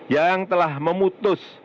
yang telah memutus